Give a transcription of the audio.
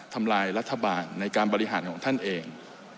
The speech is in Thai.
ทำลายรัฐบาลในการบริหารของท่านเอง